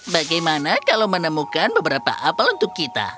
bagaimana kalau menemukan beberapa apel untuk kita